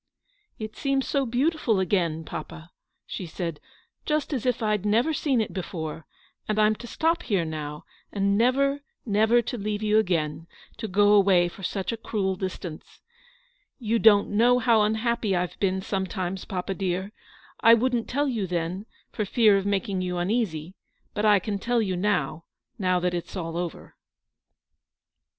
" It seems so beautiful again, papa," she said, "just as if I'd never seen it before; and I'm to stop here now, and never, never to leave you again, to go away for such a cruel distance. You THE ENTRESOL IN THE RUE DE i/aRCHEVEQUE. 19 don't know how unhappy I've been, sometimes, papa dear. I wouldn't tell you then, for fear of making you uneasy ; but I can tell you now, now that it's all over."